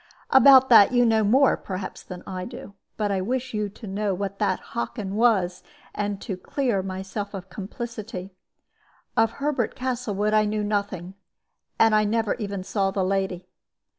"About that you know more, perhaps, than I do. But I wish you to know what that Hockin was, and to clear myself of complicity. Of Herbert Castlewood I knew nothing, and I never even saw the lady.